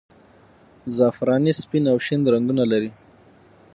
زعفراني سپین او شین رنګونه لري.